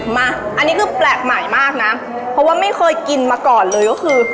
มาอันนี้คือแปลกใหม่มากนะเพราะว่าไม่เคยกินมาก่อนเลยก็คือ